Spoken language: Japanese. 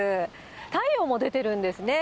太陽も出てるんですね。